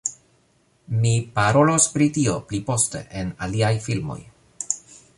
Mi parolos pri tio pli poste en aliaj filmoj